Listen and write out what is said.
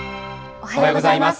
おはようございます。